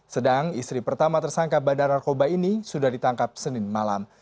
sedang istri pertama tersangka badar narkoba ini sudah ditangkap senin malam